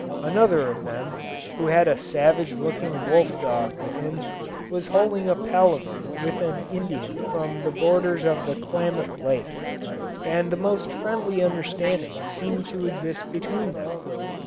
Another of them, who had a savage looking wolf dog with him, was holding a palaver with an Indian from the borders of the Klamath Lake; and the most friendly understanding seemed to exist between them.